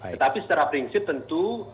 tetapi secara prinsip tentu